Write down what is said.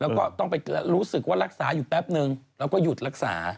แล้วก็ต้องไปรู้สึกว่ารักษาอยู่แป๊บนึงแล้วก็หยุดรักษา